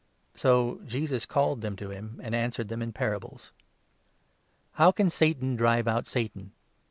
So Jesus called them to him, and answered them in parables : 23 "How can Satan drive out Satan?